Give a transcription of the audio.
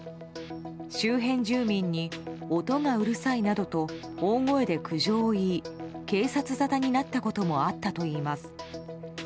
周辺住民に音がうるさいなどと大声で苦情を言い警察沙汰になったこともあったといいます。